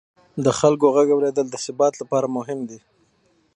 د خلکو غږ اورېدل د ثبات لپاره مهم دي